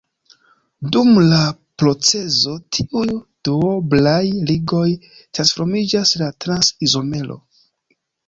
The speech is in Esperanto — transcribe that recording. Dum la procezo tiuj duoblaj ligoj transformiĝas la trans-izomero.